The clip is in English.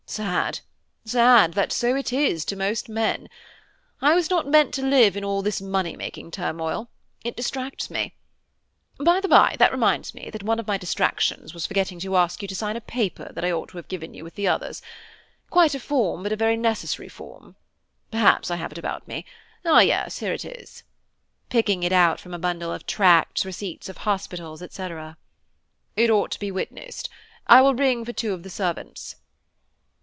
Sad! sad! that so it is to most men. I was not meant to live in all this money making turmoil. It distracts me. By the bye, that reminds me that one of my distractions was forgetting to ask you to sign a paper that I ought to have given you with the others; quite a form, but a very necessary form. Perhaps I have it about me; ah, yes; here it is," picking it out from a bundle of tracts, receipts of hospitals, &c. "It ought to be witnessed; I will ring for two of the servants."